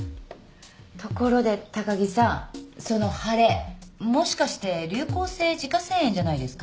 ところで高木さんその腫れもしかして流行性耳下腺炎じゃないですか？